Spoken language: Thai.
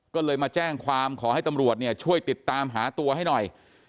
ก็เลยมาแจ้งความขอให้ตำรวจเนี่ยช่วยติดตามหาตัวให้หน่อย